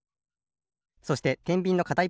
そしててんびんのかた